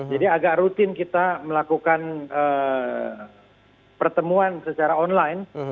jadi agak rutin kita melakukan pertemuan secara online